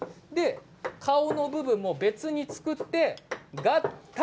顔の部分も別に作って合体。